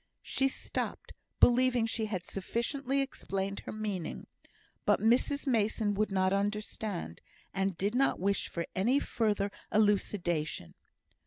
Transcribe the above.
She stopped, believing she had sufficiently explained her meaning; but Mrs Mason would not understand, and did not wish for any further elucidation.